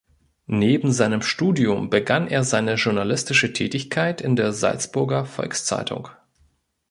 Neben seinem Studium begann er seine journalistische Tätigkeit in der "Salzburger Volkszeitung".